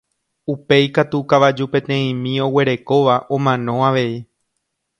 Upéi katu kavaju peteĩmi oguerekóva omano avei